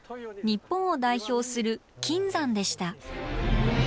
日本を代表する金山でした。